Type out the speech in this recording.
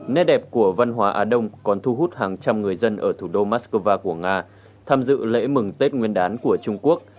nét đẹp của văn hóa á đông còn thu hút hàng trăm người dân ở thủ đô moscow của nga tham dự lễ mừng tết nguyên đán của trung quốc